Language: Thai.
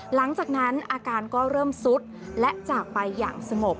หลังจากนั้นอาการก็เริ่มซุดและจากไปอย่างสงบ